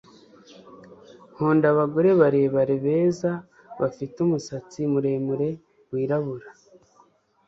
Nkunda abagore barebare beza bafite umusatsi muremure wirabura